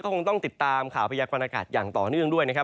คงต้องติดตามข่าวพยากรณากาศอย่างต่อเนื่องด้วยนะครับ